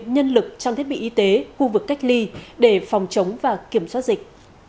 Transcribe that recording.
nhân lực trang thiết bị y tế khu vực cách ly để phòng chống và kiểm soát dịch